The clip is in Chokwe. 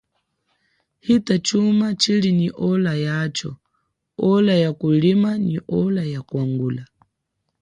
Hita chuma tshili nyi ola yacho ola ya kulima nyi ola ya kwangula.